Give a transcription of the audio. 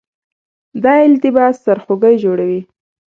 دا التباس سرخوږی جوړوي.